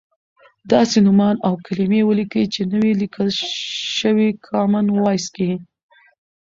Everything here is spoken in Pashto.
داسې نومان او کلیمې ولیکئ چې نه وې لیکل شوی کامن وایس کې.